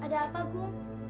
ada apa gu